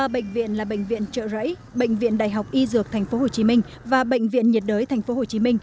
ba bệnh viện là bệnh viện trợ rẫy bệnh viện đại học y dược tp hcm và bệnh viện nhiệt đới tp hcm